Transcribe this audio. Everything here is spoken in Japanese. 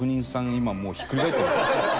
今もうひっくり返ってるね。